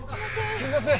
すみません。